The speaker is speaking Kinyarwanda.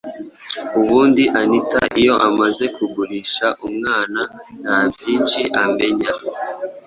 ubundi anita iyo amaze kugurisha umwana nta byinshi amenya